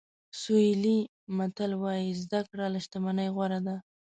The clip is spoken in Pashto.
سوهیلي متل وایي زده کړه له شتمنۍ غوره ده.